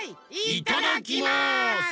いただきます！